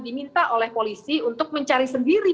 diminta oleh polisi untuk mencari sendiri